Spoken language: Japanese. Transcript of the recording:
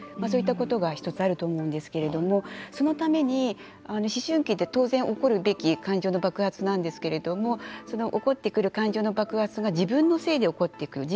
そういったことが１つあると思うんですけれどもそのために思春期って当然起こるべき感情の爆発なんですがその起こってくる感情の爆発が自分のせいで起こっている。